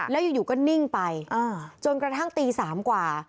แล้วอยู่ก็นิ่งไปจนกระทั่งตี๓กว่า